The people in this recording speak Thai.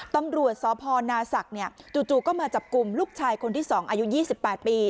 ตำรวจสพนาศักดิ์จู่ก็มาจับกลุ่มลูกชายคนที่๒อายุ๒๘ปี